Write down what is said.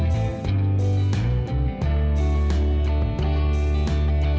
hẹn gặp lại